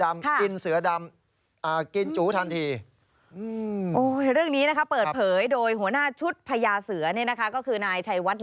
ไม่สับ